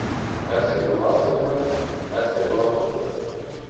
ایسی نماز سے گزر ایسے امام سے گزر